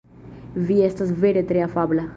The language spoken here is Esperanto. Vi estas vere tre afabla.